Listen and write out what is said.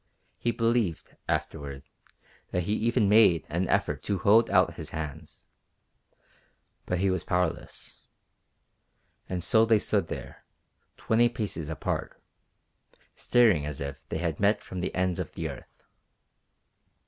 He believed, afterward, that he even made an effort to hold out his arms. But he was powerless. And so they stood there, twenty paces apart, staring as if they had met from the ends of the earth.